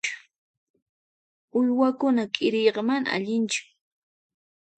Uywakuna k'iriyqa manan allinchu.